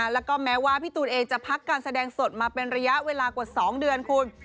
แล้วก็แม้ว่าพี่ตูนเองจะพักการแสดงสดมาเป็นระยะเวลากว่า๒เดือนคุณ